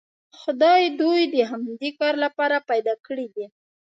خدای دوی د همدې کار لپاره پیدا کړي دي.